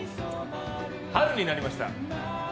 春になりました。